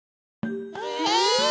え！？